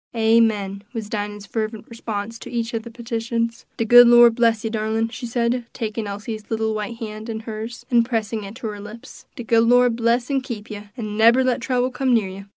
"Amen!" was Dinah's fervent response to each of the petitions. "De good Lord bless you, darlin'," she said, taking Elsie's little white hand in hers, and pressing it to her lips; "de good Lord bless an' keep you, an' nebber let trouble come near you.